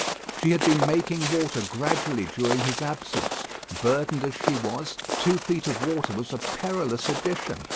She had been making water gradually during his absence. Burdened as she was, two feet of water was a perilous addition.